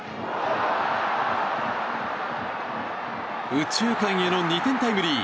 右中間への２点タイムリー。